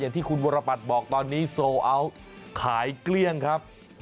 ที่คุณวรปัตรบอกตอนนี้โซอัลขายเกลี้ยงครับ